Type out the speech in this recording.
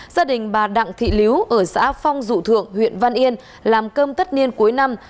gia đình bà đặng thị líu ở xã phong dụ thượng huyện văn yên làm cơm tất niên cuối năm